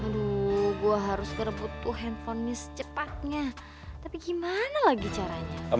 aduh gue harus butuh handphonenya secepatnya tapi gimana lagi caranya